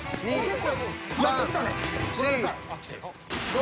５。